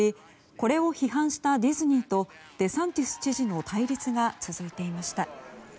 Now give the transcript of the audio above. これを批判したディズニーとデサンティス知事の対立が続いていました。